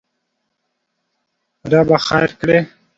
ربه خېر کړې!